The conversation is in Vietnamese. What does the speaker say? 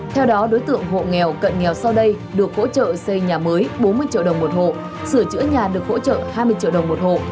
theo đó đối tượng hộ nghèo cận nghèo sau đây được hỗ trợ xây nhà mới bốn mươi triệu đồng một hộ sửa chữa nhà được hỗ trợ hai mươi triệu đồng một hộ